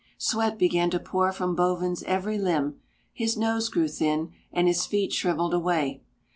Sweat began to pour from Bovin's every limb, his nose grew thin, and his feet shrivelled away.